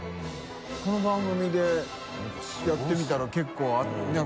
この番組でやってみたら結構ねぇ？